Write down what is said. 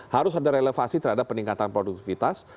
harus ada relevansi terhadap peningkatan produktivitas